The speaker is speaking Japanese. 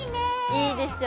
いいでしょ。